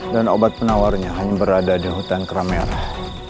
dan obat penawarnya hanya berada di hutan keram merah